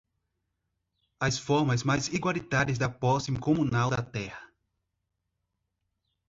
as formas mais igualitárias da posse comunal da terra